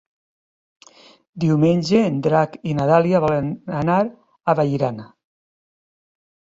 Diumenge en Drac i na Dàlia volen anar a Vallirana.